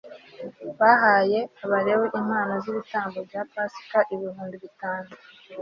bahaye abalewi impano z'ibitambo bya pasika ibihumbi bitanu